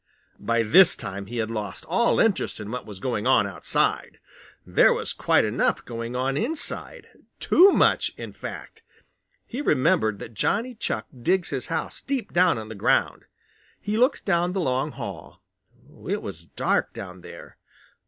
By this time he had lost all interest in what was going on outside. There was quite enough going on inside; too much, in fact. He remembered that Johnny Chuck digs his house deep down in the ground. He looked down the long hall. It was dark down there.